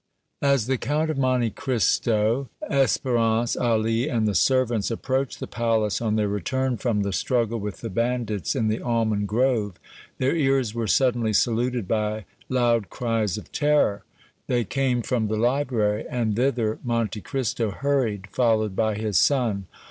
As the Count of Monte Cristo, Espérance, Ali and the servants approached the palace on their return from the struggle with the bandits in the almond grove, their ears were suddenly saluted by loud cries of terror. They came from the library and thither Monte Cristo hurried, followed by his son.